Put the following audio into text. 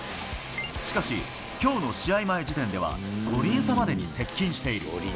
しかし、きょうの試合前時点では、５厘差までに接近している。